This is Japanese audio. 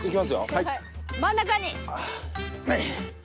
はい真ん中に！